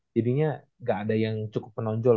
jadinya nggak ada yang cukup menonjol